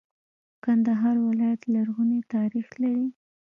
کندهار ولایت لرغونی تاریخ لري.